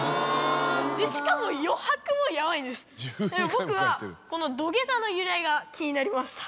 僕はこの土下座の由来が気になりました。